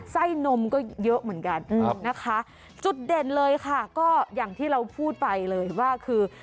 นมก็เยอะเหมือนกันนะคะจุดเด่นเลยค่ะก็อย่างที่เราพูดไปเลยว่าคือ